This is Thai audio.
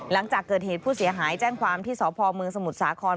หลังจากเกิดเหตุผู้เสียหายแจ้งความที่สพเมืองสมุทรสาคร